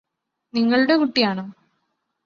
നിങ്ങളുടെ കുട്ടിയാണോ